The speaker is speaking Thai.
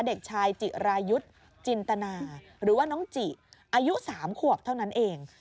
เด็กชายจิรายุทธ์จินตนาหรือว่าน้องจิอายุ๓ขวบเท่านั้นเอง